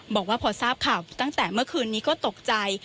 บอกว่าพอทราบข่าวตั้งแต่เมื่อคืนนี้ก็ตกใจ